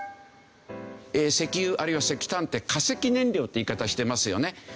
石油あるいは石炭って化石燃料って言い方してますよね。